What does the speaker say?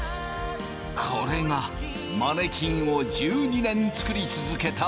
これがマネキンを１２年作り続けた指だ！